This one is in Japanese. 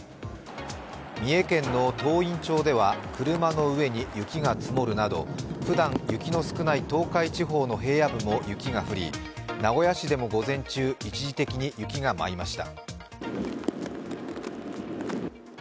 三重県の東員町では車の上に雪が積もるなどふだん、雪の少ない東海地方の平野部でも雪が降り名古屋市でも午前中、一時的に雪が舞いました。